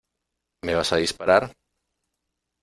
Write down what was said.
¿ me vas a disparar?